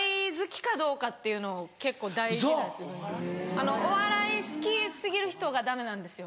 あのお笑い好き過ぎる人がダメなんですよ。